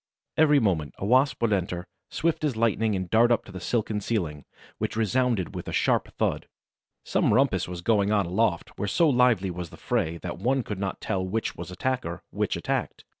Every moment a Wasp would enter, swift as lightning, and dart up to the silken ceiling, which resounded with a sharp thud. Some rumpus was going on aloft, where so lively was the fray that one could not tell which was attacker, which attacked.